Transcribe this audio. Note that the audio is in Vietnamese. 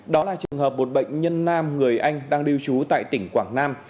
đó là trường hợp một bệnh nhân nam người anh đang lưu trú tại tỉnh quảng nam